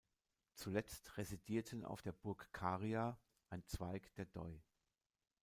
Zuletzt residierten auf der Burg Kariya ein Zweig der Doi.